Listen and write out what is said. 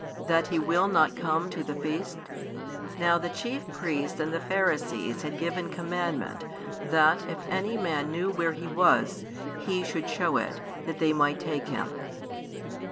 That He will not come to the feast? Now the chief priests and the Pharisees had given commandment, that, if any man knew where He was, he should shew it, that they might take Him.